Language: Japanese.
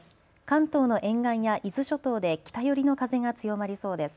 関東の沿岸や伊豆諸島で北寄りの風が強まりそうです。